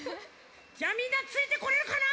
じゃみんなついてこれるかな？